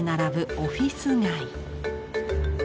オフィス街。